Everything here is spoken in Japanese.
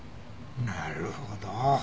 なるほど。